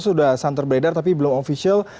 sudah santer beredar tapi belum official